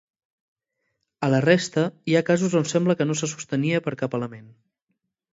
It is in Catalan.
A la resta, hi ha casos on sembla que no se sostenia per cap element.